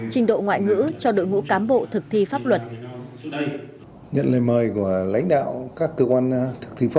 trình độ ngoại ngữ cho đội ngũ cán bộ thực thi pháp luật